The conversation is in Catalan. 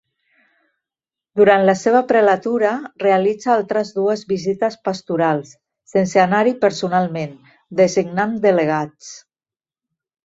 Durant la seva prelatura realitza altres dues visites pastorals, sense anar-hi personalment, designant delegats.